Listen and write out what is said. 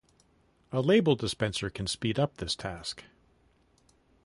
A label dispenser can speed up this task.